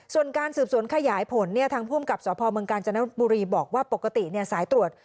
ส่วนการสืบสวนขยายผลทางภูมิกับสพเมืองกาญจนบุรีบอกว่าปกติสายตรวจ